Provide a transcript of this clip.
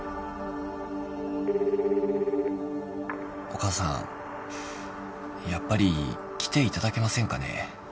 ☎お母さんやっぱり来ていただけませんかね。